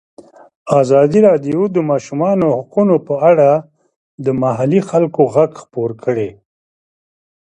ازادي راډیو د د ماشومانو حقونه په اړه د محلي خلکو غږ خپور کړی.